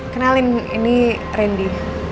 kenalin ini randy